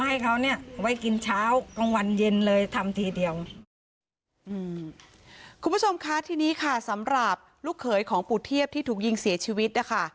ให้เขาเนี่ยไว้กินเช้ากลางวันเย็นเลยทำทีเดียวคุณผู้ชมคะที่นี้ค่ะสำหรับลูกเขยของปูเทียบที่ถูกยิงเสียชีวิตนะคะ